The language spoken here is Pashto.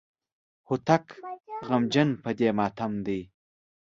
هوتک غمجن په دې ماتم دی.